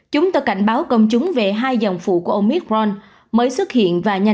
chúng tôi cảnh báo công chúng về hai dòng phụ của omicron mới xuất hiện và nhanh chóng